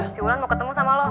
si wulan mau ketemu sama lo